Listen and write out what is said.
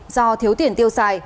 do thiếu tiền tiêu xài